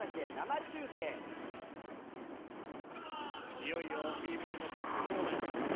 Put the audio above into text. いよいよＢ−ＢＯＹのトップ４です。